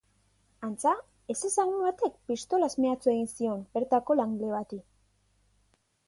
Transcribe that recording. Antza, ezezagun batek pistolaz mehatxu egin zion bertako langile bati.